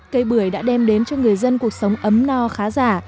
cây bưởi đã đem đến cho người dân cuộc sống ấm no khá giả